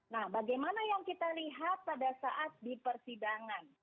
nah bagaimana yang kita lihat pada saat di persidangan